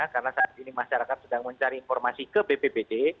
karena saat ini masyarakat sedang mencari informasi ke bppd